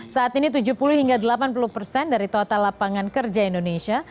saat ini tujuh puluh hingga delapan puluh persen dari total lapangan kerja indonesia